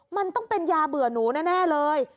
มันต้องเป็นยาเบื่อหนูแน่เลย